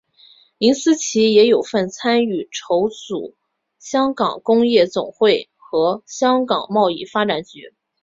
林思齐也有份参与筹组香港工业总会和香港贸易发展局。